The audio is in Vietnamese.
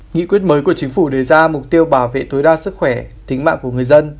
nghị quyết mới của chính phủ đề ra mục tiêu bảo vệ tối đa sức khỏe tính mạng của người dân